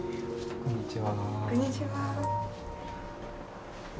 こんにちは。